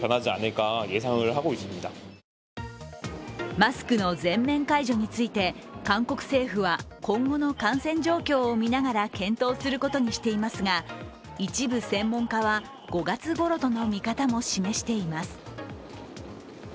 マスクの全面解除について韓国政府は今後の感染状況を見ながら検討することにしていますが、一部専門家は５月ごろとの見方も示しています。